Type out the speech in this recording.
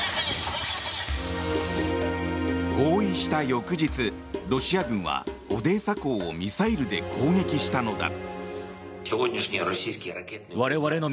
合意した翌日ロシア軍はオデーサ港をミサイルで攻撃したのだ。